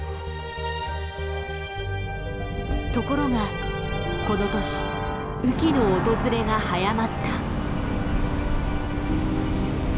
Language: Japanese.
ところがこの年雨季の訪れが早まった。